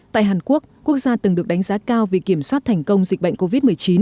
tại hàn quốc quốc gia từng được đánh giá cao vì kiểm soát thành công dịch bệnh covid một mươi chín